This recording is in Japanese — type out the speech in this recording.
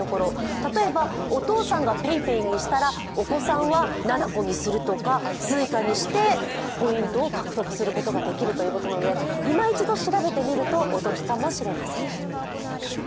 例えばお父さんがＰａｙＰａｙにしたらお子さんはｎａｎａｃｏにするとかＳｕｉｃａにしてポイントを獲得することができるということでいま一度調べてみるとお得かもしれません。